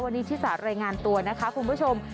วันนี้ชิสารายงานตัวนะคะคุณผู้ชม